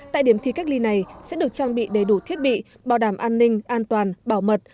tại điểm thi cách ly này sẽ được trang bị đầy đủ thiết bị bảo đảm an ninh an toàn bảo mật